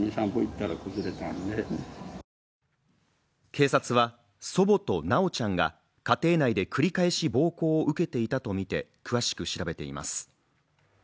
警察は祖母と修ちゃんが家庭内で繰り返し暴行を受けていたとみて詳しく調べています。